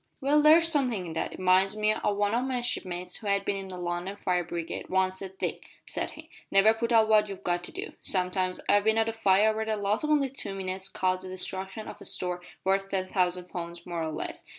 "Well, there's somethin' in that. It minds me o' what one o' my shipmates, who had bin in the London fire brigade, once said. `Dick,' said he, `never putt off what you've got to do. Sometimes I've bin at a fire where the loss of only two minutes caused the destruction of a store worth ten thousand pound, more or less.